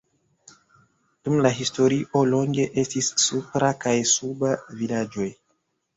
Dum la historio longe estis "Supra" kaj "Suba" vilaĝoj.